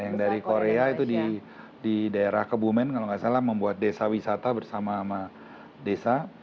yang dari korea itu di daerah kebumen kalau nggak salah membuat desa wisata bersama sama desa